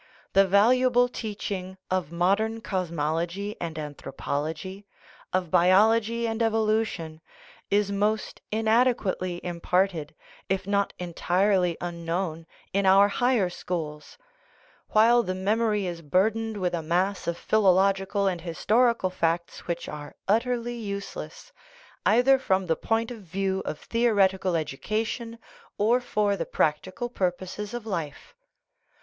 The valuable teaching of modern cosmology and anthropology, of biology and evolution, is most inadequately imparted, if not entirely unknown, in our higher schools ; while the memory is burdened with a mass of philological and historical facts which are utterly useless, either from the point of view of theoretical education or for 9 THE RIDDLE OF THE UNIVERSE the practical purposes of life.